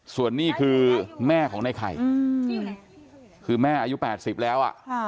ส่วนนี้คือแม่ของในไข่คือแม่อายุ๘๐แล้ว